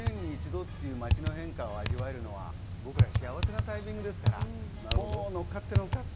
１００年に一度という街の変化を味わえるのは僕ら、幸せなタイミングですから、乗っかって、乗っかって！